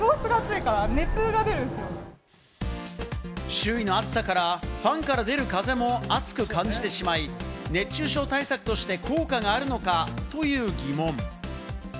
周囲の暑さからファンから出る風も暑く感じてしまい、熱中症対策として効果があるのか？という疑問。